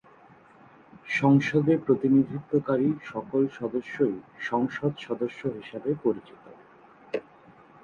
সংসদে প্রতিনিধিত্বকারী সকল সদস্যই 'সংসদ সদস্য' হিসেবে পরিচিত।